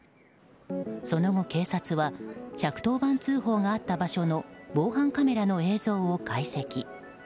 その後、警察は１１０番通報があった場所の防犯カメラの映像を解析。